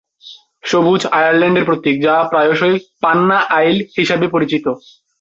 সবুজ আয়ারল্যান্ডের প্রতীক, যা প্রায়শই "পান্না আইল" হিসাবে পরিচিত।